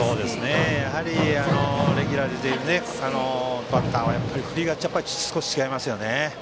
やはりレギュラーで出ているバッターは振りが少し違いますよね。